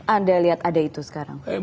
anda lihat ada itu sekarang